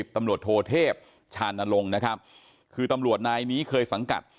ตำรวจโทเทพชานลงนะครับคือตำรวจนายนี้เคยสังกัด